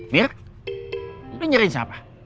mir lu nyariin siapa